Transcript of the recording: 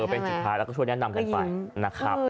ไปติดข้างแล้วก็ช่วยแนะนำกันไป